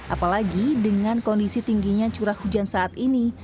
apalagi dengan kondisi tingginya curah hujan saat ini